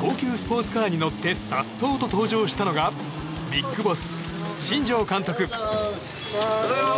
高級スポーツカーに乗って颯爽と登場したのがビッグボス、新庄監督。